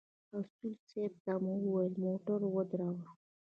اصولي صیب ته مو وويل موټر ودروه.